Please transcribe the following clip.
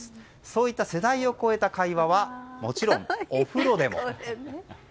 そういった世代を超えた会話はもちろんお風呂でも。